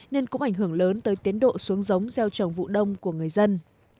nên cũng ảnh hưởng lớn tới tiến độ xuống giống gieo trồng vụ đông của người dân